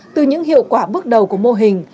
từ những hiệu quả bước đầu của mô hình